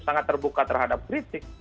sangat terbuka terhadap kritik